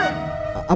kejar kejar kemana